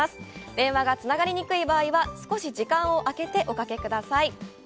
電話がつながりにくい場合は、少し時間をあけて、おかけください。